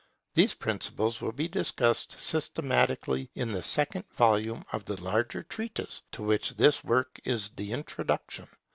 These principles will be discussed systematically in the second volume of the larger Treatise to which this work is the Introduction.